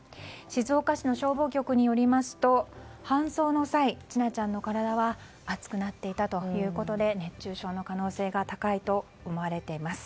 静岡市の消防局によりますと搬送の際千奈ちゃんの体は熱くなっていたということで熱中症の可能性が高いと思われています。